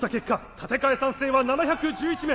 建て替え賛成は７１１名。